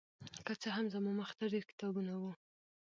که څه هم زما مخې ته ډېر کتابونه وو